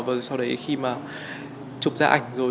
và sau đấy khi mà chụp ra ảnh rồi